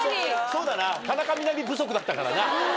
そうだな田中みな実不足だったからな。